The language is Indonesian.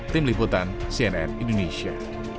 tim liputan cnn indonesia